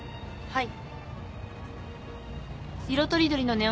はい。